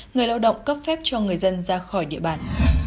người lao động cấp phép cho người dân ra khỏi địa bàn